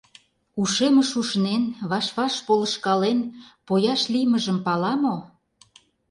Ушемыш ушнен, ваш-ваш полышкален, пояш лиймыжым пала мо?